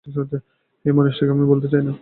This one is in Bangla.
এই মানুষটিকে আমি ভুলতে চাই না।